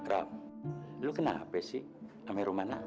rom lu kenapa sih sama romana